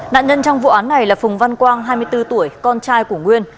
nạn nhân trong vụ án này là phùng văn quang hai mươi bốn tuổi con trai của nguyên